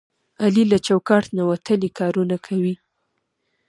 علي له چوکاټ نه وتلي کارونه کوي.